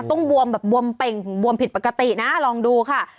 บวมแบบบวมเป่งบวมผิดปกตินะลองดูค่ะ